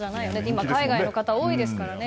今、海外の方多いですからね。